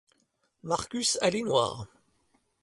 Marcus a les noirs.